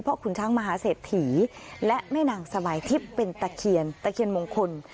ขุนช้างมหาเศรษฐีและแม่นางสบายทิพย์เป็นตะเคียนตะเคียนมงคล